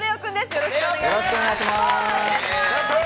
よろしくお願いします。